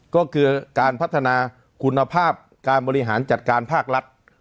ก็คือการพัฒนาคุณภาพการบริหารจัดการภาครัฐ